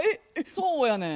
そうやねん。